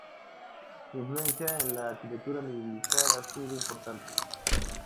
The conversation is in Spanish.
Su influencia en la arquitectura militar ha sido importante.